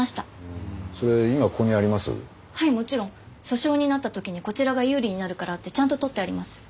訴訟になった時にこちらが有利になるからってちゃんと取ってあります。